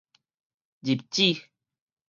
入子